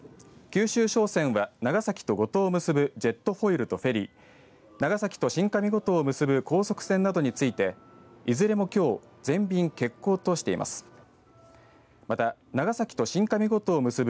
九州商船は長崎と五島を結ぶジェットフォイルとフェリー、長崎と新上五島を結ぶ高速船などについて、いずれもきょう全便、欠航としています。